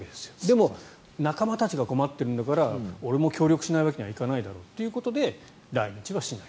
でも、仲間たちが困っているんだから俺も協力しないわけにはいかないだろうということで来日をしない。